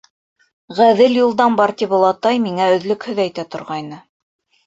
Ғәҙел юлдан бар, тип олатай миңә өҙлөкһөҙ әйтә торғайны.